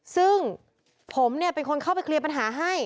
ซึ่งผมเนี่ยเป็นคนเข้าไปเคลียร์ปัญหาให้